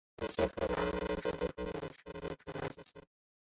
一些更复杂的方案会改变这些持续时间以传达更多信息。